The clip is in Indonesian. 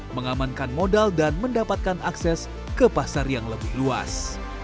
mengamankan modal dan mendapatkan akses ke pasar yang lebih luas